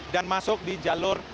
dan masuk ke jalan rancayakek